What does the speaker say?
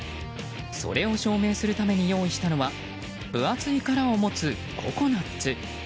それを証明するために用意したのは分厚い殻を持つココナツ。